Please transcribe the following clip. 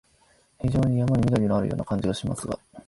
非常に山に縁のあるような感じがしますが、